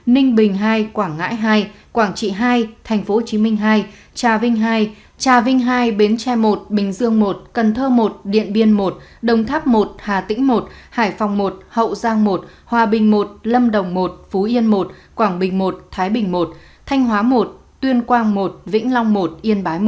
ninh bình ii quảng ngãi hai quảng trị hai tp hcm hai trà vinh hai trà vinh hai bến tre i bình dương một cần thơ một điện biên một đồng tháp một hà tĩnh một hải phòng một hậu giang một hòa bình một lâm đồng một phú yên một quảng bình i thái bình i thanh hóa một tuyên quang một vĩnh long một yên bái một